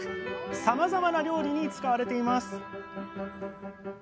さまざまな料理に使われています